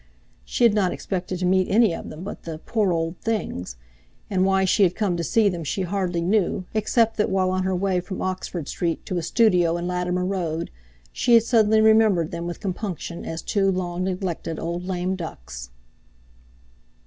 She had not expected to meet any of them but "the poor old things"; and why she had come to see them she hardly knew, except that, while on her way from Oxford Street to a studio in Latimer Road, she had suddenly remembered them with compunction as two long neglected old lame ducks.